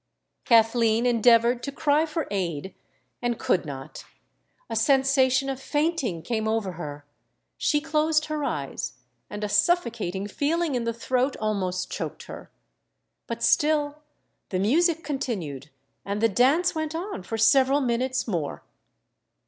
Kathleen endeavoured to cry for aid—and could not: a sensation of fainting came over her—she closed her eyes—and a suffocating feeling in the throat almost choked her. But still the music continued and the dance went on, for several minutes more.